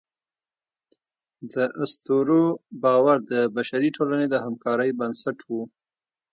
د اسطورو باور د بشري ټولنې د همکارۍ بنسټ و.